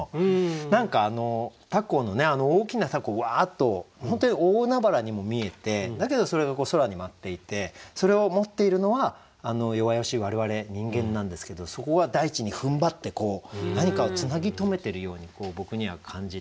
何か大きな凧うわっと本当に大海原にも見えてだけどそれが空に舞っていてそれを持っているのは弱々しい我々人間なんですけどそこが大地にふんばって何かをつなぎ止めてるように僕には感じて。